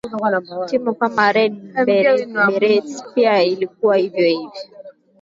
timu kama red berates pia ilikuwa hivyo hivyo